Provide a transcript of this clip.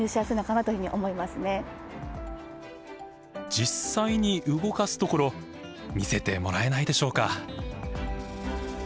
実際に動かすところ見せてもらえないでしょうか？